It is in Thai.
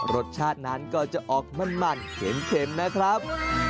รสชาตินั้นก็จะออกมันเข็มนะครับ